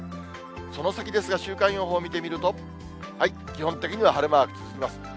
その先ですが、週間予報見てみると、基本的には晴れマーク続きます。